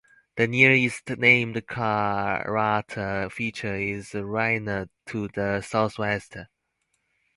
The nearest named crater feature is Reiner to the southwest.